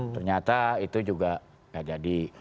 ternyata itu juga gak jadi